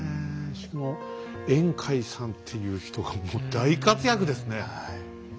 しかも円海さんっていう人がもう大活躍ですね。